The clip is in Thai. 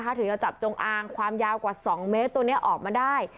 ถึงจะจับจงอางความยาวกว่า๒เมตรตัวนี้ออกมาได้